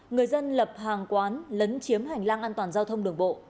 người dân lập hàng quán lấn chiếm hành lang an toàn giao thông đường bộ